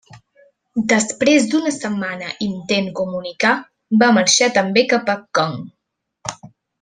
Després d'una setmana intent comunicar, va marxar també cap a Kong.